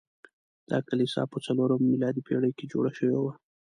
دا کلیسا په څلورمه میلادي پیړۍ کې جوړه شوې وه.